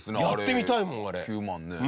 やってみたいもんあれ。